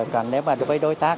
còn nếu mà với đối tác